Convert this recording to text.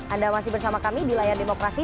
anda masih bersama kami di layar demokrasi